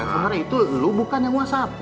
sebenernya itu lo bukan yang whatsapp